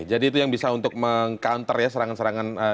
jadi itu yang bisa untuk meng counter ya serangan serangan jalan jalan